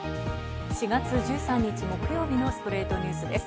４月１３日、木曜日の『ストレイトニュース』です。